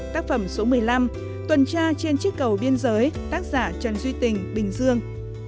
tác phẩm số một mươi năm tuần tra trên chiếc cầu biên giới tác giả trần duy tình bình dương